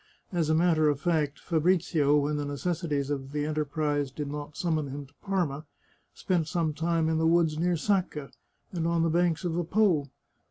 As a matter of fact, Fabrizio, when the necessities of his enter prise did not summon him to Parma, spent his time in the woods near Sacca, and on the banks of the Po.